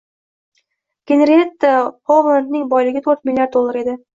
Genrietta Xovlandning boyligi to'rt milliard dollar edi.